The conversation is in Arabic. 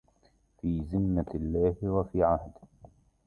في ذمة الله وفي عهده